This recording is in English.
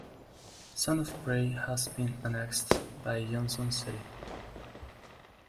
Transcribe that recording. Some of Gray has been annexed by Johnson City.